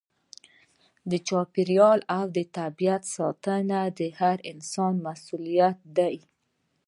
د چاپیریال او طبیعت ساتنه د هر انسان مسؤلیت دی.